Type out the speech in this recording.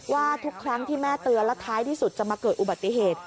ว่าทุกครั้งที่แม่เตือนแล้วท้ายที่สุดจะมาเกิดอุบัติเหตุ